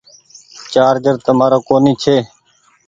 چآرجر تمآرو ڪونيٚ چي۔